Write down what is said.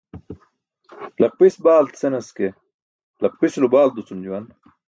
"laqpis baalt" senas ke, laqpisulo balt ducum juwan.